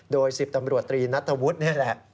โดย๑๐ตำรวจตรีนัทธวุฒินี่แหละ